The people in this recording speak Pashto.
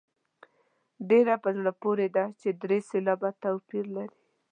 ډېره په زړه پورې ده چې درې سېلابه توپیر لري.